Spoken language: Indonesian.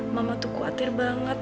mama tuh khawatir banget